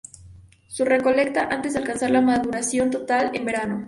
Se recolecta antes de alcanzar la maduración total, en verano.